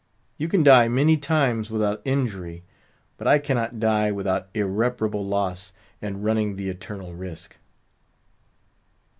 You can dye many times without injury; but I cannot die without irreparable loss, and running the eternal risk."